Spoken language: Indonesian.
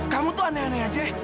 kamu tuh aneh aneh aja